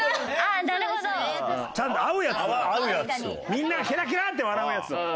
みんながケラケラって笑うやつを。